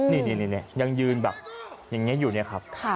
นี่ยังยืนแบบอย่างนี้อยู่เนี่ยครับ